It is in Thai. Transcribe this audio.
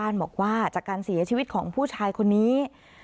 นำมาเสียชีวิตของผู้ชายคนนี้